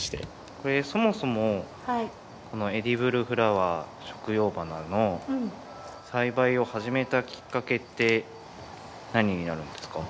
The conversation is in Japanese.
これそもそもこのエディブルフラワー食用花の栽培を始めたきっかけって何になるんですか？